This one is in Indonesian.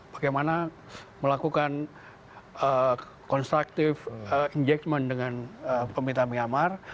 bagaimana melakukan constructive engagement dengan pemerintah myanmar